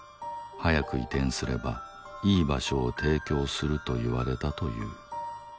早く移転すればいい場所を提供すると言われたという。